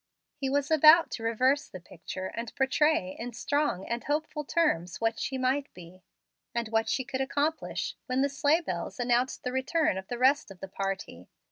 He was about to reverse the picture, and portray in strong and hopeful terms what she might be, and what she could accomplish, when the sleigh bells announced the return of the rest of the party.